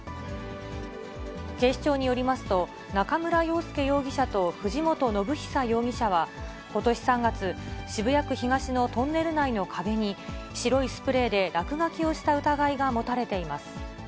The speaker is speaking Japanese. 警視庁によりますと、中村洋介容疑者と藤本伸久容疑者は、ことし３月、渋谷区東のトンネル内の壁に、白いスプレーで落書きをした疑いが持たれています。